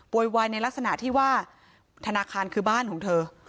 โวยวายในลักษณะที่ว่าธนาคารคือบ้านของเธอ